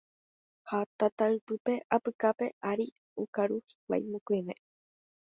ha tataypýpe apykape ári okaru hikuái mokõive.